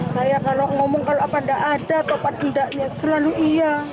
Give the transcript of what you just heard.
saya kalau ngomong kalau apa enggak ada atau apa tidaknya selalu iya